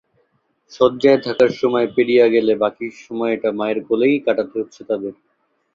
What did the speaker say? শয্যায় থাকার সময় পেরিয়ে গেলে বাকি সময়টা মায়ের কোলেই কাটাতে হচ্ছে তাদের।